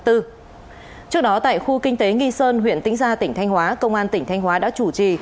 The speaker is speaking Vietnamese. trước đó tại khu kinh tế nghi sơn huyện tĩnh gia tỉnh thanh hóa công an tỉnh thanh hóa đã chủ trì